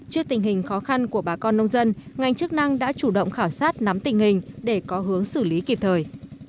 trước tình hình khó khăn của bà con nông dân ngành chức năng đã chủ động khảo sát nắm tình hình để có hướng xử lý kịp thời